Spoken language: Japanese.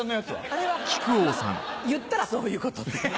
あれはまぁ言ったらそういうことって。